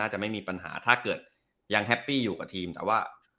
น่าจะไม่มีปัญหาถ้าเกิดยังอยู่กับทีมอืนแต่ว่า